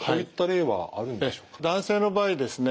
男性の場合ですね